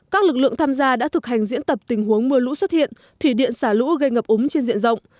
các lực lượng tham gia đã thực hành diễn tập tình huống mưa lũ xuất hiện thủy điện xả lũ gây ngập úng trên diện rộng